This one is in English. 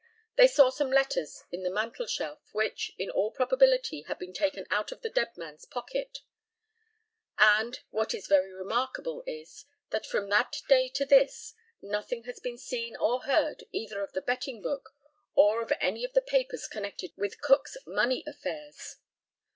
They saw some letters in the mantel shelf, which, in all probability, had been taken out of the dead man's pocket; and, what is very remarkable is, that from that day to this, nothing has been seen or heard either of the betting book or of any of the papers connected with Cook's money affairs.